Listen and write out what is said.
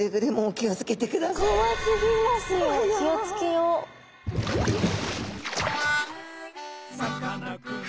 気を付けよう。